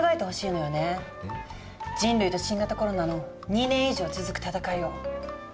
人類と新型コロナの２年以上続く戦いを。